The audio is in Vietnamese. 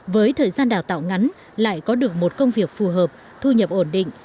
với thời gian đào tạo ngắn lại có được một công việc phù hợp thu nhập ổn định